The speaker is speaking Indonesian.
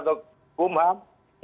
itu tidak bisa terpenuhi secara baik